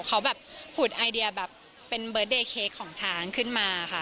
เขาหุดไอเดียเป็นบริษัทใหม่ของช้างขึ้นมาค่ะ